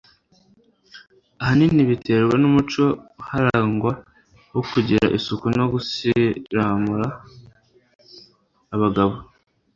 ahanini bitewe n'umuco uharangwa wo kugira isuku no gusiramura abagabo.